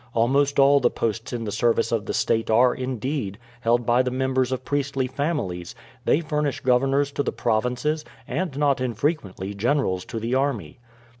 Almost all the posts in the service of the state are, indeed, held by the members of priestly families; they furnish governors to the provinces, and not infrequently generals to the army.